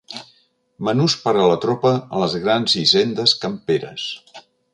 Menús per a la tropa en les grans hisendes camperes.